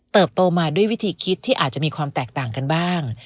โตมาด้วยวิธีคิดที่อาจจะมีความแตกต่างกันบ้าง